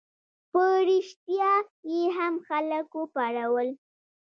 په ریشتیا یې هم خلک وپارول.